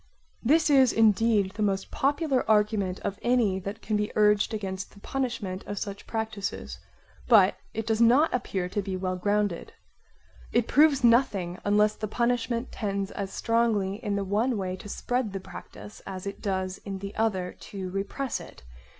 This is indeed the most popular argument of any that can be urged against the punishment of such practises; but it does not appear to be well grounded. It proves nothing unless the punishment tends as strongly in the one way to spread the practise as it does in the other to repress it.